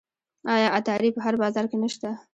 آیا عطاري په هر بازار کې نشته؟